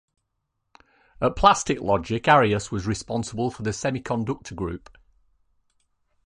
At Plastic Logic Arias was responsible for the semiconductor group.